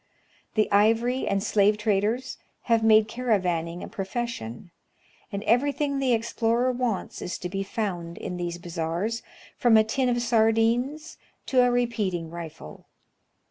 The ivory and slave traders have made caravann ing a pi'ofession, and every thing the explorer wants is to be found in these bazaars, from a tin of sardines to a repeating rifle.